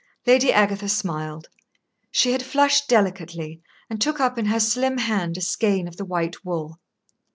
Lady Agatha smiled. She had flushed delicately, and took up in her slim hand a skein of the white wool.